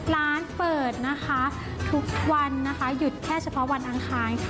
ร้านเปิดทุกวันยุทธ์แค่เฉพาะกลางอังคาร